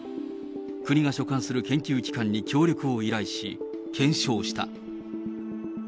国が所管する研究機関に協力を依頼し、検証した。